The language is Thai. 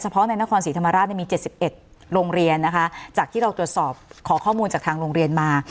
เพราะในนครศรีธรรมราชมี๗๑โรงเรียนนะคะจากที่เราตรวจสอบขอข้อมูลจากทางโรงเรียนมา